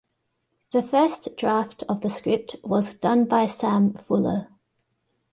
The first draft of the script was done by Sam Fuller.